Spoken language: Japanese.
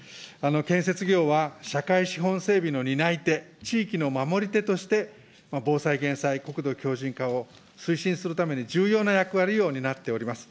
建設業は社会資本整備の担い手、地域の守り手として、防災・減災、国土強じん化を推進するために重要な役割を担っております。